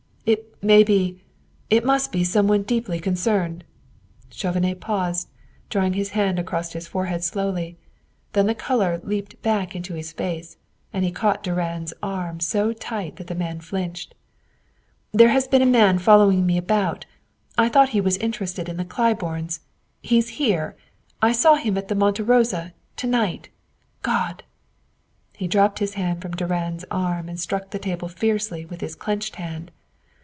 "It may be it must be some one deeply concerned." Chauvenet paused, drawing his hand across his forehead slowly; then the color leaped back into his face, and he caught Durand's arm so tight that the man flinched. "There has been a man following me about; I thought he was interested in the Claibornes. He's here I saw him at the Monte Rosa to night. God!" He dropped his hand from Durand's arm and struck the table fiercely with his clenched hand.